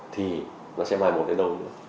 thì nó sẽ mai mổ đến đâu nữa